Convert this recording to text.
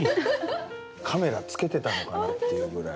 カメラつけてたのかなっていうぐらい。